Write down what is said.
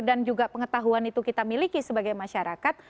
dan juga pengetahuan itu kita miliki sebagai masyarakat